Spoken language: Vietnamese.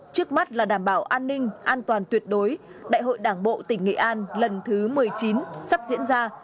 trước mắt là đảm bảo an ninh an toàn tuyệt đối đại hội đảng bộ tỉnh nghệ an lần thứ một mươi chín sắp diễn ra